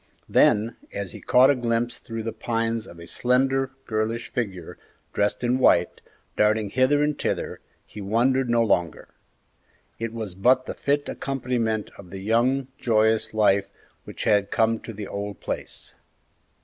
Then, as he caught a glimpse through the pines of a slender, girlish figure, dressed in white, darting hither and thither, he wondered no longer; it was but the fit accompaniment of the young, joyous life which had come to the old place.